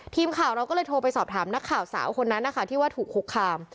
ทีมข่าวเราก็เลยโทรไปสอบถามนักข่าวสาวคนนั้นนะคะที่ว่าถูกคุกคาม